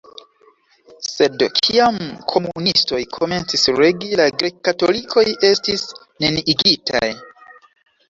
Sed kiam komunistoj komencis regi, la grek-katolikoj estis neniigitaj.